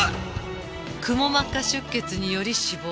クモ膜下出血により死亡。